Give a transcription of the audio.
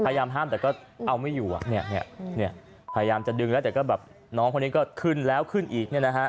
พยายามห้ามแต่ก็เอาไม่อยู่เนี่ยพยายามจะดึงแล้วแต่ก็แบบน้องคนนี้ก็ขึ้นแล้วขึ้นอีกเนี่ยนะฮะ